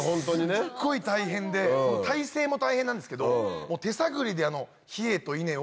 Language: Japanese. すっごい大変で体勢も大変なんですけど手探りでヒエとイネを。